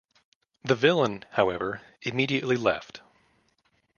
The villain, however, immediately left.